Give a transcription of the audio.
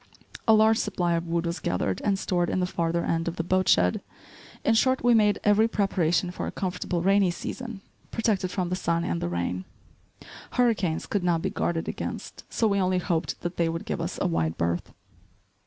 A large supply of wood was gathered and stored in the farther end of the boat shed; in short we made every preparation for a comfortable rainy season, protected from the wind and the rain. Hurricanes could not be guarded against, so we only hoped that they would give us a wide berth.